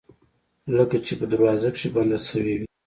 لکه چې په دروازه کې بنده شوې وي